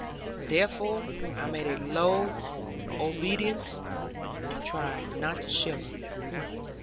Therefore I made a low obeisance, and tried not to shiver.